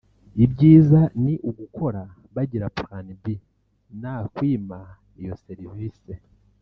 Ibyiza ni ugukora bagira Plan B nakwima iyo serivise